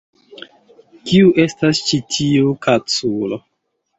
Kiu estas ĉi tiu kaculo?